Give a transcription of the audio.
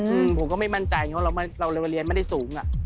อืมผมก็ไม่มั่นใจเพราะเราเรียนไม่ได้สูง